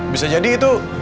bisa jadi itu